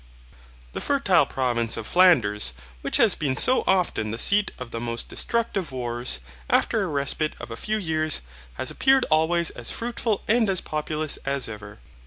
The fertile province of Flanders, which has been so often the seat of the most destructive wars, after a respite of a few years, has appeared always as fruitful and as populous as ever.